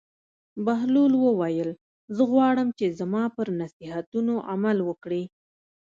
بهلول وویل: زه غواړم چې زما پر نصیحتونو عمل وکړې.